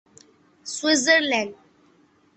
Switzer land